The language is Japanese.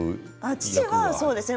父はそうですね